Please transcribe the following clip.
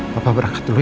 papa berangkat dulu ya